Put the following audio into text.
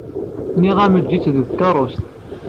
Nniɣ-am eǧǧ-itt deg tkeṛṛust.